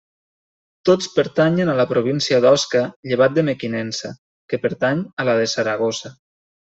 Tots pertanyen a la província d'Osca llevat de Mequinensa, que pertany a la de Saragossa.